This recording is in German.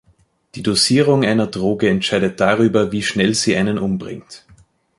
Die Dosierung einer Droge entscheidet darüber, wie schnell sie einen umbringt.